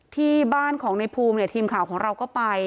ที่บ้านของในภูมิเนี่ยทีมข่าวของเราก็ไป